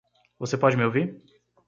Você pode me ouvir?